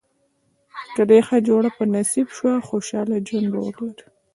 که دې ښه جوړه په نصیب شوه خوشاله ژوند به ولرې.